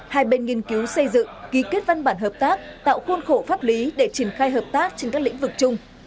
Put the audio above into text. hai bên nghiên cứu xây dựng ký kết văn bản hợp tác tạo khuôn khổ pháp lý để triển khai hợp tác trên các lĩnh vực chung